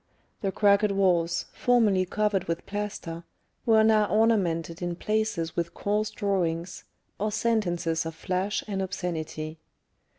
The cracked walls, formerly covered with plaster, were now ornamented in places with coarse drawings, or sentences of flash and obscenity.